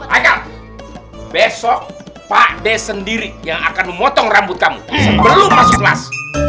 agar besok pak des sendiri yang akan memotong rambut kamu sebelum masuk kelas